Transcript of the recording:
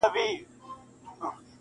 ویاله چي هر څو کاله سي وچه -